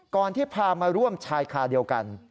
ที่พามาร่วมชายคาเดียวกัน